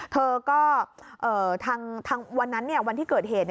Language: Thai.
เธอก็ทางวันนั้นวันที่เกิดเหตุ